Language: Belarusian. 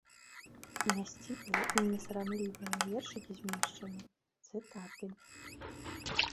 Нясціплыя і несарамлівыя вершыкі змешчаны, цытаты.